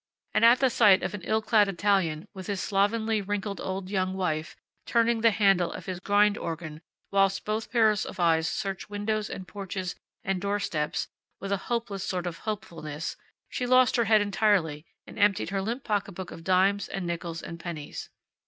And at sight of an ill clad Italian, with his slovenly, wrinkled old young wife, turning the handle of his grind organ whilst both pairs of eyes searched windows and porches and doorsteps with a hopeless sort of hopefulness, she lost her head entirely and emptied her limp pocketbook of dimes, and nickels, and pennies.